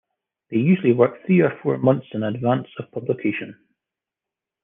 They usually work three or four months in advance of publication.